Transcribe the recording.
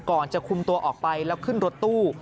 ก่อนจะคุมตัวออกไปแล้วขึ้นรถตู้